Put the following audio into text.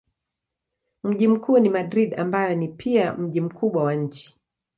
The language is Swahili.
Mji mkuu ni Madrid ambayo ni pia mji mkubwa wa nchi.